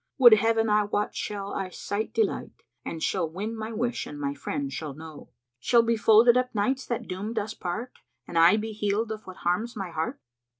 Would Heaven I wot shall I sight delight, * And shall win my wish and my friend shall know! Shall be folded up nights that doomed us part * And I be healed of what harms my heart?"